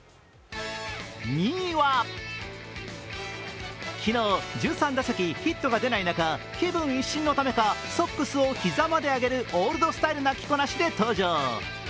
２位は、昨日、１３打席、ヒットが出ない中、気分一新のためかソックスを膝まで上げるオールドスタイルな着こなしで登場。